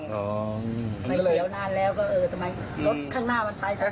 ไปเจี๋ยวนานแล้วก็เออรถข้างหน้ามันไปกันไปแล้ว